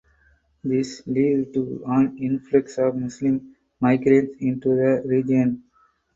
This led to an influx of Muslim migrants into the region.